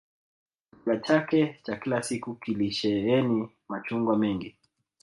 Chakula chake cha kila siku kilisheheni machungwa mengi